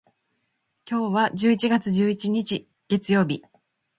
今日は十一月十一日、月曜日。